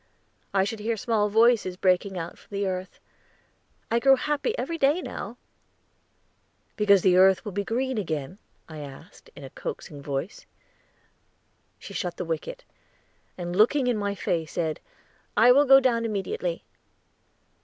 "I should hear small voices breaking out from the earth. I grow happy every day now." "Because the earth will be green again?" I asked, in a coaxing voice. She shut the wicket, and, looking in my face, said, "I will go down immediately."